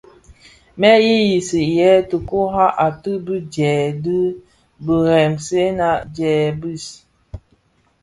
Mè yiyisi yèè ti kurag ated bi dièè dhi biremzèna dièè bi.